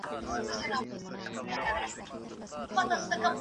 په محراب او منبر ښکلی بیرغ غواړم ..